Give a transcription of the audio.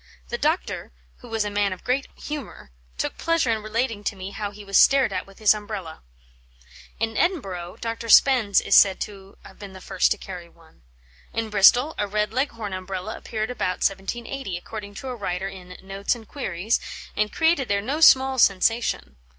The doctor, who was a man of great humour, took pleasure in relating to me how he was stared at with his Umbrella." In Edinburgh Dr. Spens is said to have been the first to carry one. In Bristol a red Leghorn Umbrella appeared about 1780, according to a writer in Notes and Queries, and created there no small sensation.